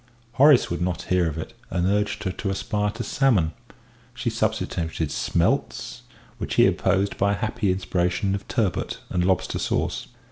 Horace would not hear of it, and urged her to aspire to salmon; she substituted smelts, which he opposed by a happy inspiration of turbot and lobster sauce.